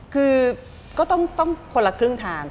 คือก็ต้องคนละครึ่งทาง